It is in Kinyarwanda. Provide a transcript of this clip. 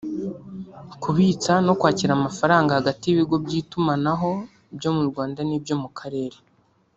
kubitsa no kwakira amafaranga hagati y’ibigo by’itumanaho byo mu Rwanda n’ibyo mu karere